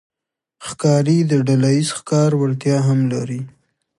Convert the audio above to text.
ښکاري د ډلهییز ښکار وړتیا هم لري.